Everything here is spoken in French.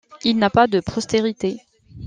Il n'a pas de postérité.